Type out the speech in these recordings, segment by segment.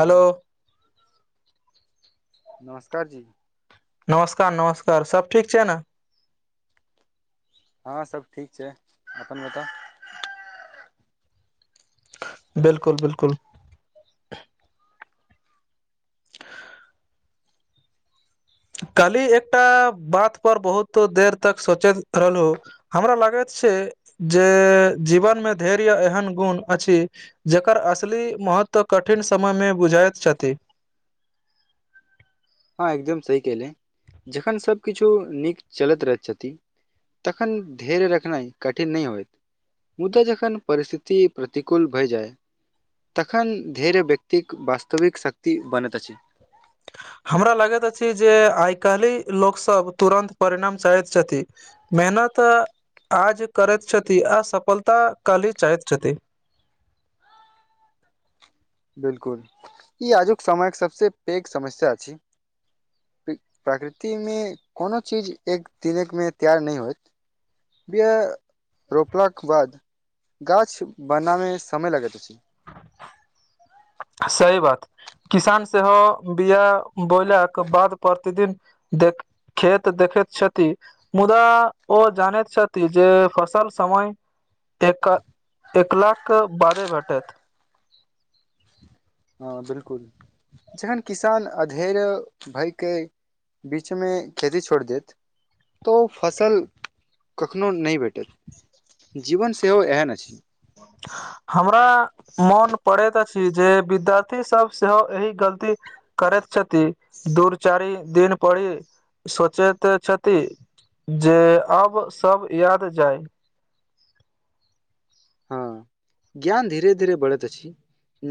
Hello [inaudible] नमस्कार जी नमस्कार नमस्कार सब ठीक छै ने हँ सब ठीक छै अपन बताउ बिल्कुल बिलकुल कहली एकटा बात पर बहुत देर तक सोचैत रहलहु हमरा लागैत छै जे जीवनमे धैर्य एहन गुण अछि जेकर असली महत्व कठिन समयमे बुझाइत छथि हँ एकदम सही केलै जखन सभकिछो नीक चलैत रहैत छथिन तखन धैर्य रखनाइ कठिन नहि होइत मुदा जखन परिस्थिति प्रतिकूल भए जाइ तखन धैर्य व्यक्तिक वास्तविक शक्ति बनैत अछि हमरा लागैत अछि जे आइ काल्हि लोकसभ तुरन्त परिणाम चाहैत छथि मेहनत आज करैत छथि आ सफलता कल्ही चाहैत छथि बिलकुल ई आजुक समयक सबसे पैघ समस्या छी प्रकृति मे कोनो चीज एक दिने मे तैयार नहि होइत बिआ रोपलाके बाद गाछ बनावेमे समय लगैत अछि सही बात किसान सेहो बिआा बोयलाके बाद प्रतिदिन देख खेत देखैत छथि मुदा ओ जानैत छथि जे फसल समय देख के देखला के बादे भेटत हँ बिलकुल जेहन किसान अधेर भयके बीच में खेती छोड़ देत तऽ ओ फसल कखनो नहि भेटत जीवन सेहो एहन अछि हमरा मोन पड़ैत अछि जे विद्यार्थी सब सेहो एहि गलती करैत छथि दूर चारि दिन पड़ी सोचैत छथि जे आब सब याद जाय हँ ज्ञान धीरे धीरे बढ़ैत अछि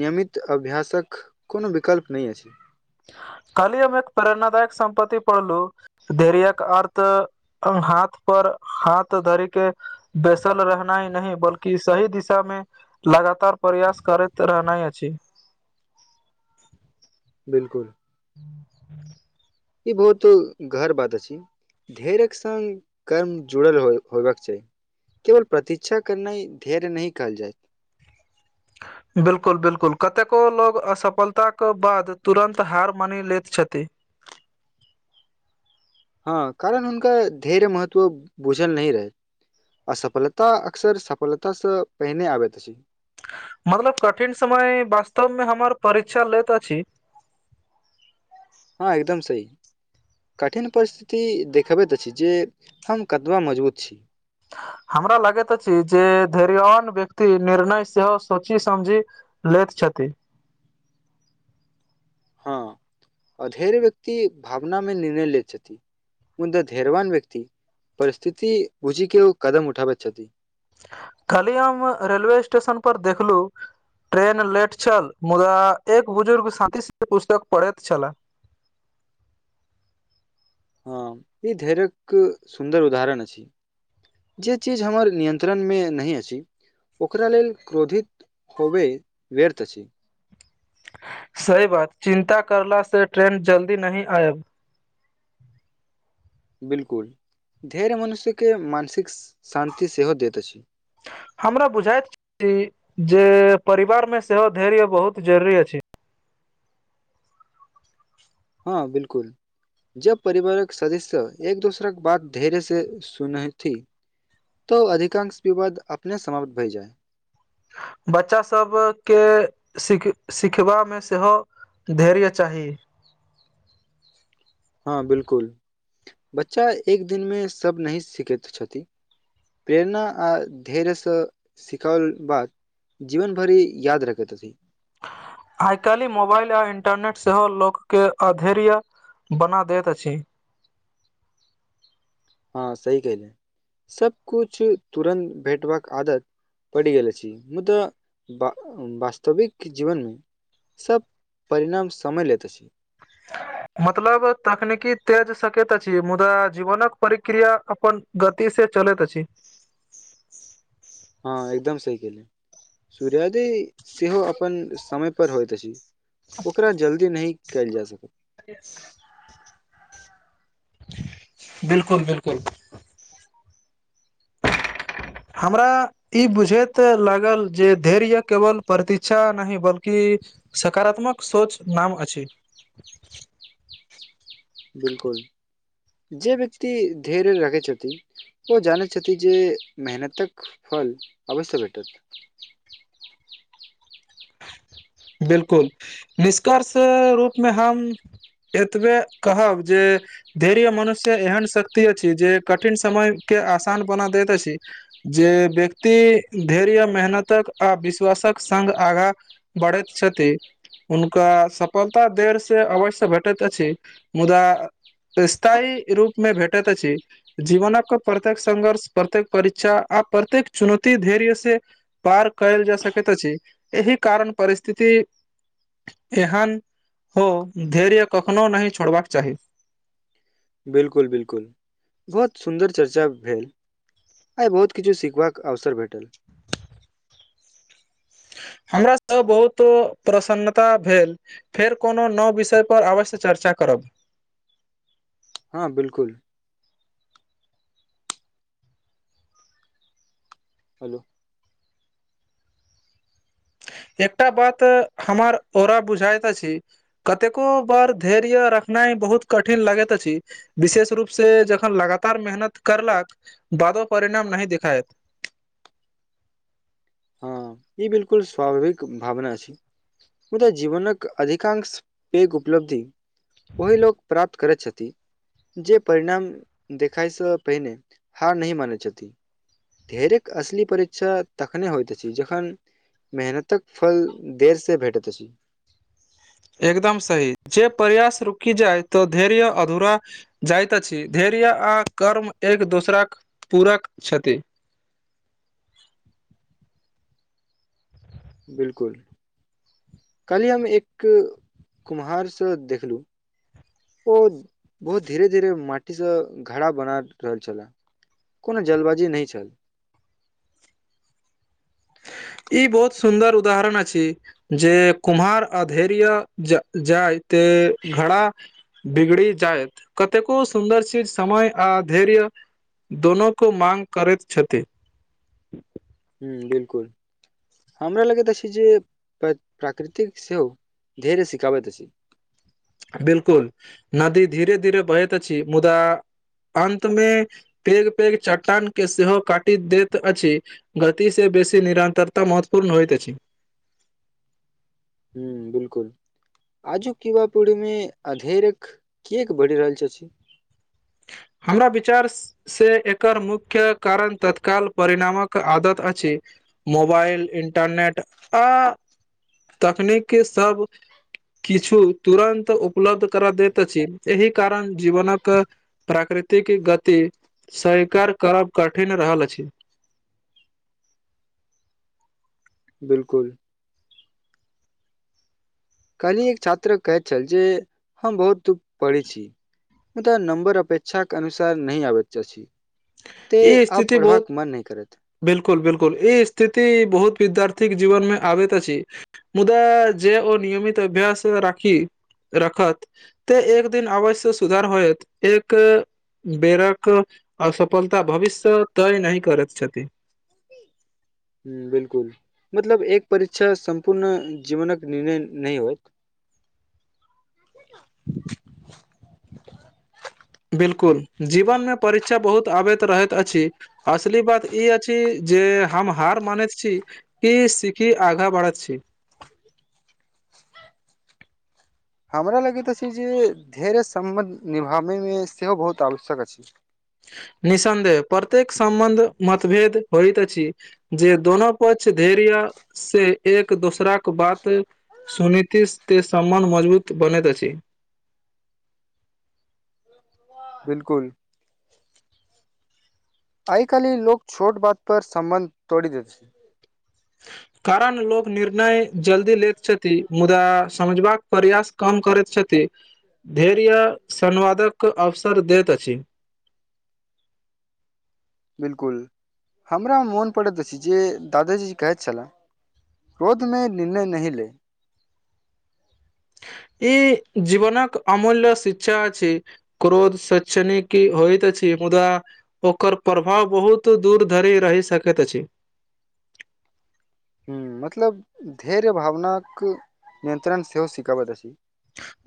नियमित अभ्यासक कोनो विकल्प नहि अछि खाली हम एक प्रेरणादायक सम्पति पड़लू धैर्यक अर्थ हाथ पर हाथ धरिक बैसल रहना ही नहि बल्की सही दिशामे लगातार प्रयास करैत रहना अछि बिलकुल ह ह ई बहुतो घर बात अछि धैर्यक सङ्ग कर्म जुड़ल हो होयबाक चाही केवल प्रतीक्षा करनाय नहि धेर्य नहि कहल जाय बिलकुल बिलकुल कतेको लोग असफलताक बाद तुरन्त हार मानि लैत छथि हँ कारण हुनका धैर्य महत्व बुझल नहि रहय असफलता अक्सर सफलतासँ पहिने आबैत अछि मतलब कठिन समय वास्तव मे हमर परीक्षा लैत अछि हँ एकदम सही कठिन परिस्थिति देखबैत अछि जे हम कतबा मजबूत छी हमरा लागैत अछि जे धैर्यवान व्यक्ति निर्णय सेहो सोची समझी लेैत छथि हँ अधेर व्यक्ति भावना मे निर्णय ले छथि मुद्दा धैर्यवान व्यक्ति परिस्थिति बुझि के ई कदम उठाबैत छथि कल्हि हम रेलवे स्टेशन पर देखलू ट्रेन लेट छल मुदा एक बुजुर्ग साथी से पुस्तक पढ़ैत छले हँ ई धैर्यक सुन्दर उदाहरण अछि जे चीज हमर नियन्त्रणमे नहि अछि ओकरा लेल क्रोधित होबे व्यर्थ अछि सही बात चिन्ता करला से ट्रेन जल्दी नहि आयत बिलकुल धैर्य मनुष्यके मानसिक शान्ति सेहो दैत अछि हमरा बुझायइत जे परिवार मे सेहो धैर्य बहुत जरूरी अछि हँ बिल्कुल जब परिवारक सदस्य एक दोसरा के बात धैर्य से सुनथि तो अधिकांश विवाद अपने समाप्त भय जाए बच्चा सभके सिख सिखबामे सेहो धैर्य चाही हँ बिलकुल बच्चा एक दिनमे सब नही सिखैत छथि प्रेरणा आओ धैर्यसँ सिखाओल बाद जीवन भरि याद रखैतथि आइकाल्हि मोबाइल आ इंटरनेट सेहो लोककेँ आधैर्य। बना दैत अछि हँ सही कह ले सब कुछु तुरन्त भेटबाक आदत पड़ गेल अछि मुदा तऽ वास्तविक जीवनमे सब परिणाम समय लेैते छी मतलब तकनीकी तेज सकेैत छी मुदा जीवनक परिक्रिया अपन गति से चलैत अछि हँ एकदम सही केले सूर्योदय सेहो अपन समय पर होइत अछि ओकरा जल्दी नहि कयल जा सकत येस बिल्कुल बिल्कुल हमरा ई बुझैत लागल जे धैर्य केवल प्रतीक्षा नहि बल्कि सकारात्मक सोच नाम अछि बिलकुल जे व्यक्ति धैर्य राखैत छथि ओ जानैत छथि जे मेहनतक फल अवश्य भेटत बिलकुल निष्कर्ष रूपमे हम एतबे कहब जे धैर्य मनुष्य एहन शक्ति अछि जे कठिन समय के आसान बना दैत अछि जे व्यक्ति धैर्य मेहनतक आ विश्वासक संग आगाँ बढ़ैत छथि हुनका सफलता देर से अवश्य भेटैत अछि मुदा स्थायी रूपमे भेटैत अछि जीवनक प्रत्येक संघर्ष प्रत्येक परीक्षा आ प्रत्येक चुनौती धैर्य से पार कयल जा सकैत अछि एहि कारण परिस्थिति एहन हो धैर्य कखनो नहि छोड़बाक चाही बिल्कुल बिलकुल बहुत सुन्दर चर्चा भेल आइ बहुत किछु सीखबाक अवसर भेटल हमरा त बहुत प्रसन्नता भेल फेर कोनो नव विषय पर अवश्य चर्चा करब हँ बिलकुल हेलो एकटा बात हमर ओरा बुझायइत अछि कतेको बार धैर्य रखनाइ बहुत कठिन लगैत अछि विशेष रूप से जखन लगातार मेहनत करलक बादो परिणाम नहि देखायत हँ ई बिलकुल स्वाभाविक भावना छै मुदाऽ जीवनक अधिकांश पैघ उपलब्धि ओही लोक प्राप्त करैत छथि जे परिणाम देखायसँ पहिने हार नहि मानै छथि धैर्यक असली परीक्षा तक तखने होइत अछि जखन मेहनतक फल देर से भेटैत अछि एकदम सही जे प्रयास रुकी जाइ तऽ धैर्य अधूरा जाइत अछि धैर्य आ कर्म एक दोसराक पूरक छथि बिल्कुल काल्हि हम एक कुम्हारसँ देखलहुँ ओ बहुत धीरे धीरे माटी से घड़ा बना रहल छले कोनो जल्दबाजी नहि छल ई बहुत सुन्दर उदाहरण अछि जे कुम्हार आ धैर्य जाइ त घरा बिगड़ि जायत कतेको सुन्दर चीज समय आ धैर्य दोनो को माँग करैत छथि ह्म बिल्कुल हमरा लगैत अछि जे प्राकृतिक सेहो धैर्य सिखाबैत अछि बिल्कुल नदी धीरे धीरे बहैत अछि छी मुदा अन्त में पेग पेग चट्टान के सेहो काटि दैत अछि गति से बेसी निरन्तरता महत्वपूर्ण होइत अछि हूँ बिल्कुल आजुक युवा पीढ़ी में अधेरख किएक बढ़ि रहल छै हमरा विचार से एकर मुख्य कारण तत्काल परिणामक आदत अछि मोबाइल इंटरनेट आ तकनीकी सब किछु तुरन्त उपलब्ध करा दैत अछि एहि कारण जीवनकक प्राकृतिक गति स्वीकार करब कठिन रहल अछि बिल्कुल कहली एक छात्र कहैत छल जे हम बहुत पढ़ै छि मलब नम्बर अपेक्षाक के अनुसार नही आबै चा छि ई स्थिति बहुत करत बिल्कुल बिल्कुल ई स्थिति बहुत विद्यार्थीक के जीवन मे आबैत अछि मुदा जे ओ नियमित अभ्यास आओर राखी रखत ते एक दिन आवश्य सुधार होयत एक बेरक असफलता भविष्य तय नहि करैत छथि ह बिल्कुल मतलब एक परीक्षा सम्पूर्ण जीवनक निर्णय नहि होइत बिल्कुल जीवन मे परीक्षा बहुत आबैत रहैत अछि असली बात ई अछि जे हम हार मानैत छि के सिखी आघा बढ़त छी हमरा लगैत अछि जे धैर्य सम्बन्ध निभाबैमे सेहो बहुत आवश्यक अछि निसन्देह प्रत्येक संबन्ध मतभेद होइत अछि जे दोनो पक्ष धैर्य से एक दूसरा के बात सुनितिश से सम्मान मजबूत बनैत अछि बिल्कुल आइ काल लोक छोट बात पर संबन्ध तोड़ दय छै कारण लोक निर्णय जल्दी लैत छथि मुदा समझबाक प्रयास कम करैत छथि धैर्य संवादक अवसर दैत अछि बिल्कुल हमरा मोन पड़ैत अछि जे दादाजी कहैत छलै र्रोद मे निर्णय नहि ले ई जीवनक अमूल्य शिक्षा छै क्रोध शैक्षणिकी होइत अछि मुदा ओकर प्रभाव बहुत दूर धरि रहि सकैत अछि ह मतलब धैर्य भावनाक नियन्त्रण सेहो सिखबैत अछि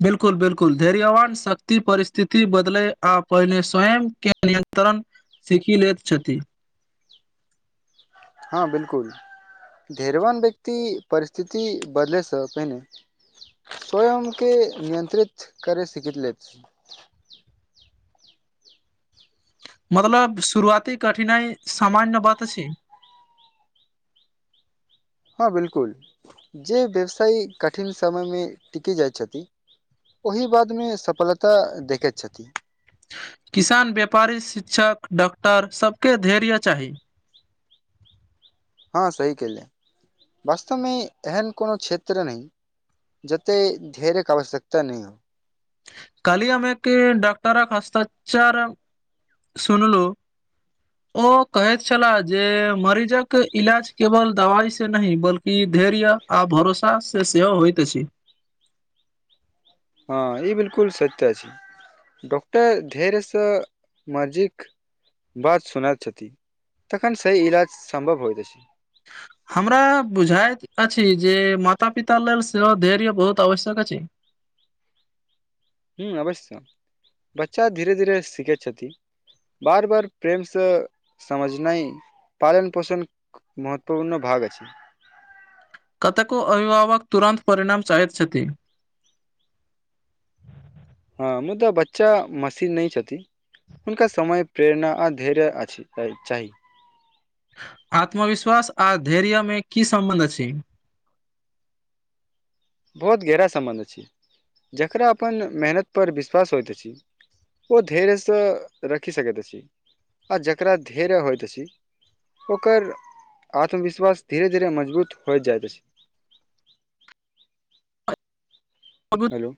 बिलकुल बिलकुल धैर्यवान शक्ति परिस्थिति बदल आहिने स्वयं के नियत्रण सीखी लेैत छथि हँ बिलकुल धैर्यवान व्यक्ति परिस्थिति बदलेसँ पहिने स्वयं के नियंत्रित करे सीख ले छै मतलब शुरुआती कठिनाइ सामान्य बात छै हँ बिल्कुल जे व्यवसाय कठिन समयमे टिकि जाइ छथि ओहि बादमे सफलता देखैत छथिन किसान व्यापारी शिक्षक डॉक्टर सबके धैर्य चाही हँ सही कले वास्तवमे एहन कोनो क्षेत्र नहि जतेक धरके आवश्यकता नहि हो काली हमाँ के डाक्तरक हस्ताचार सुनल ओ कहैत छलाह जे मरीजक इलाज केवल दवाइ से नहि बल्कि धैर्य आ भरोसा से सेहो होइत छै हँ ई बिलकुल सतता छै डॉक्टर धढेरसँ मजिक बद सुनत छथिषति तखन से इलाज सम्भव होइत छै हमरा बुझाइत अछि जे माता पिता लेल सेहो धैर्य बहुत आवश्यक अछि हूं अवश्य बच्चा धीरे धीरे सिखै छथि बार बार प्रेमसँ समझनाय पालन पोषण महत्वपूर्ण भाग अछी कतको अभिभावक तुरन्त परिणाम साहैत छथि हँ मुदा बच्चा मशीन नहि छथि हुनका समय प्रेरणा आ धैर्य अछि ऐ चाही आत्मविश्वास आ धैर्य मे की सम्बन्ध अछि बहुत गहरा सम्बन्ध अछि जकरा अपन मेहनतपर विश्वास होइत अछि ओ धैर्यसँ रखि सकैत अछी आ जकरा धैर्य होयत अछी ओकर आत्मविश्वास धीरे धीरे मजबूत होई जाइत अछि हेलो